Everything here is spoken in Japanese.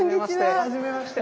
はじめまして。